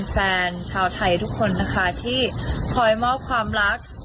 แฟนชาวไทยทุกคนนะคะที่คอยมอบความรัก